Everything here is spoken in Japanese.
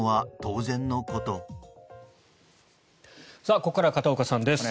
ここからは片岡さんです。